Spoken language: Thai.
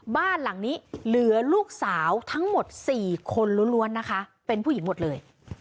บ้านหลังนี้เหลือลูกสาวทั้งหมด๔คนล้วนนะคะเป็นผู้หญิงหมดเลย